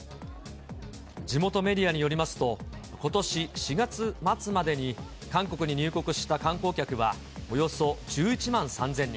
地元メディアによりますと、ことし４月末までに韓国に入国した観光客は、およそ１１万３０００人。